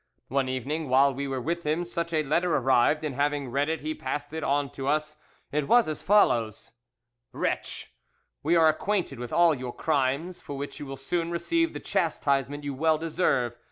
One evening while we were with him such a letter arrived, and having read it he passed it on to us. It was as follows: "'Wretch,—We are acquainted with all your crimes, for which you will soon receive the chastisement you well deserve.